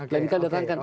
lain kali datangkan